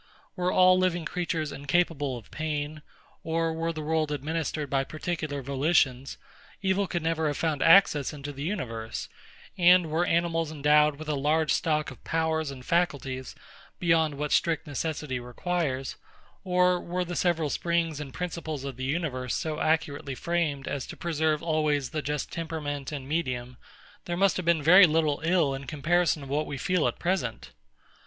Were all living creatures incapable of pain, or were the world administered by particular volitions, evil never could have found access into the universe: and were animals endowed with a large stock of powers and faculties, beyond what strict necessity requires; or were the several springs and principles of the universe so accurately framed as to preserve always the just temperament and medium; there must have been very little ill in comparison of what we feel at present.